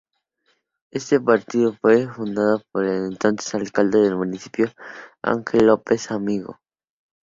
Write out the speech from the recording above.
Este partido fue fundado por el entonces alcalde del municipio Ángel López Amigo.